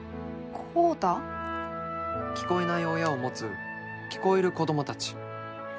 聞こえない親を持つ聞こえる子供たち。